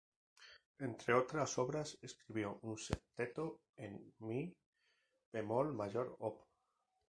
Entre otras obras, escribió un Septeto en mi bemol mayor, op.